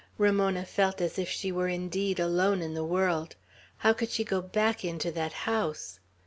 Ramona felt as if she were indeed alone in the world. How could she go back into that house!